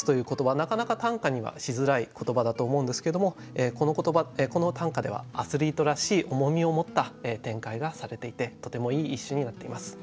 なかなか短歌にはしづらい言葉だと思うんですけどもこの言葉この短歌ではアスリートらしい重みを持った展開がされていてとてもいい一首になっています。